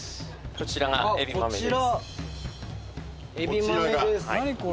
こちらがえび豆です。